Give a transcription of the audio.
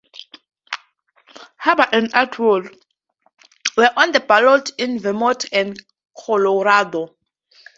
Huber and Atwood were on the ballot in Vermont and Colorado.